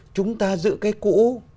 chúng ta giữ cái cũ